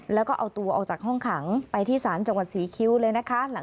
แล้วก็เอาตัวออกจากห้องขังไปที่ศาลจังหวัดศรีคิ้วเลยนะคะ